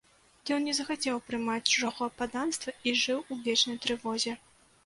Ён не захацеў прымаць чужога падданства і жыў у вечнай трывозе.